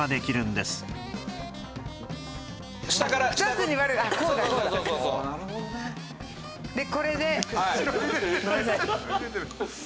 でこれで。